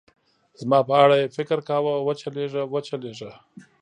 زما په اړه یې فکر کاوه، و چلېږه، و چلېږه.